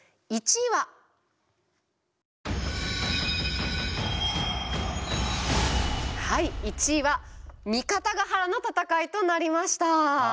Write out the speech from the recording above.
はい１位は三方ヶ原の戦いとなりました！